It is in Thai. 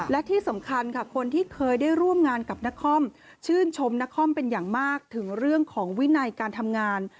และที่สำคัญค่ะคนที่เคยได้ร่วมงานกับนครชื่นชมนครเป็นอย่างมากถึงเรื่องของวินัยการทำงาน